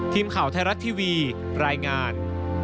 ทีมข่าวไทยรัฐทีวีรายงาน